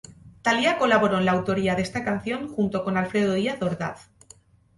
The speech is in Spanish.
Thalía colaboró en la autoría de esta canción junto con Alfredo Díaz Ordaz.